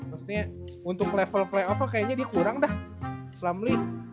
maksudnya untuk level play over kayaknya dia kurang dah plumlee